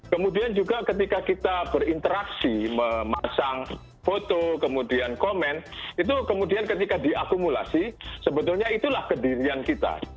kemudian juga ketika kita berinteraksi memasang foto kemudian komen itu kemudian ketika diakumulasi sebetulnya itulah kedirian kita